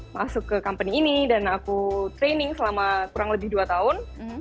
masuk ke company ini dan aku training selama kurang lebih dua tahun